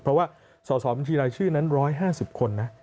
เพราะว่าสอบบัญชีรายชื่อนั้น๑๕๐คนนะ